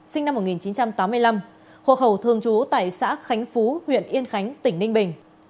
sinh năm một nghìn chín trăm tám mươi năm hộ khẩu thường trú tại xã khánh phú huyện yên khánh tỉnh ninh bình